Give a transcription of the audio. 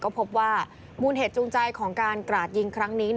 ก็พบว่ามูลเหตุจูงใจของการกราดยิงครั้งนี้